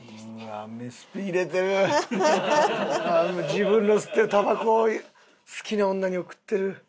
自分の吸ってるたばこを好きな女に贈ってる。